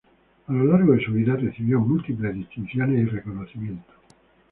A lo largo de su vida recibió múltiples distinciones y reconocimientos.